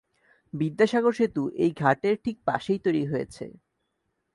বিদ্যাসাগর সেতু এই ঘাটের ঠিক পাশেই তৈরি হয়েছে।